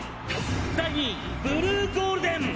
第２位ブルーゴールデン！！